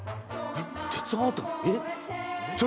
えっ？